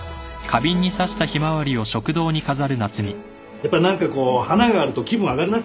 やっぱ何かこう花があると気分上がるな。